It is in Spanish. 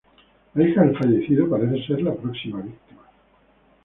La hija del fallecido parece ser la próxima víctima.